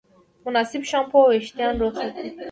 مناسب شامپو وېښتيان روغ ساتي.